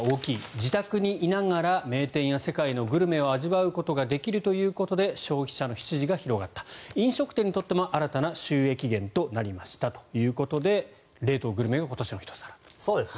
自宅にいながら名店や世界のグルメを味わうことができるということで消費者の支持が広がった飲食店にとっても新たな収益源となりましたということで冷凍グルメが今年の一皿。